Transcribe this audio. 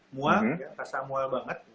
mual rasa mual banget